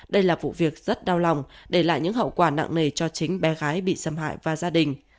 đây là vụ việc rất đau lòng để lại những hậu quả nặng nề cho chính bé gái bị xâm hại và gia đình